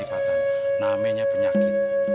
maafin abang ya rum